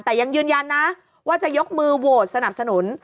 แต่ยังยืนยันนะว่าจะยกมือโหวตสนับสนุน